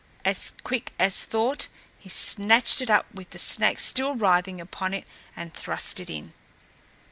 As quick as thought, he snatched it up, with the snakes still writhing upon it, and thrust it in.